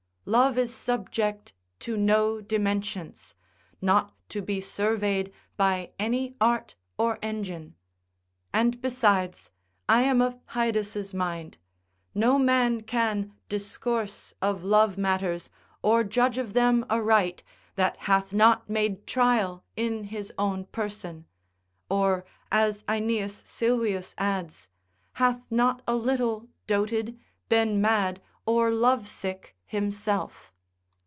Love is subject to no dimensions; not to be surveyed by any art or engine: and besides, I am of Haedus' mind, no man can discourse of love matters, or judge of them aright, that hath not made trial in his own person, or as Aeneas Sylvius adds, hath not a little doted, been mad or lovesick himself.